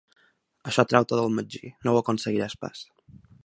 Això treu-t'ho del magí, no ho aconseguiràs pas!